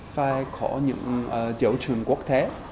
phải có những tiêu chuẩn quốc tế